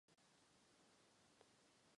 Pro nás je ochrana zájmů spotřebitele prioritou.